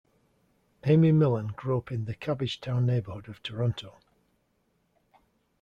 Amy Millan grew up in the Cabbagetown neighbourhood of Toronto.